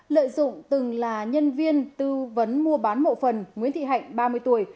lợi dụng từng là nhân viên tư vấn mua bán bộ phần nguyễn thị hạnh ba mươi tuổi